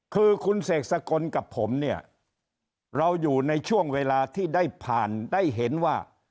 คือคุณเสกสกลกับผมเนี่ยเราอยู่ในช่วงเวลาที่ได้ผ่านได้เห็นว่า